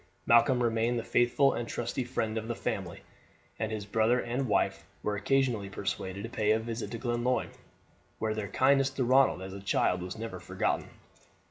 Malcolm remained the faithful and trusty friend of the family; and his brother and his wife were occasionally persuaded to pay a visit to Glenlyon, where their kindness to Ronald as a child was never forgotten.